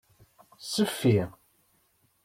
Seffi.